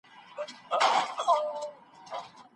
ډاکټر باید اوږده پاڼه ړنګه کړي.